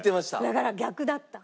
だから逆だった。